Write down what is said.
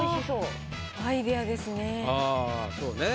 アイディアですね。